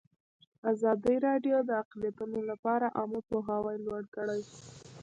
ازادي راډیو د اقلیتونه لپاره عامه پوهاوي لوړ کړی.